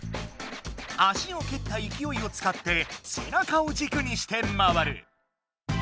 足をけったいきおいをつかって背中をじくにして回る！